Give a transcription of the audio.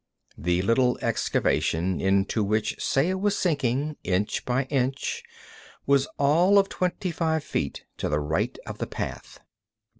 The little excavation into which Saya was sinking, inch by inch, was all of twenty five feet to the right of the path.